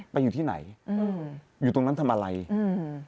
อยู่ที่ไหนอืมอยู่ตรงนั้นทำอะไรอืม